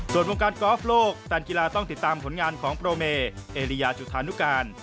ส่วนวงการกอล์ฟโลกการกีฬาต้องติดตามผลงานของโปรเมเอริยาจุธานุการ